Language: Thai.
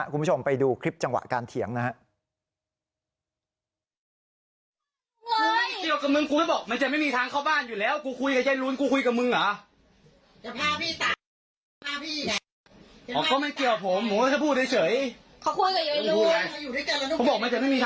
คุณผู้ชมไปดูคลิปจังหวะการเถียงนะครับ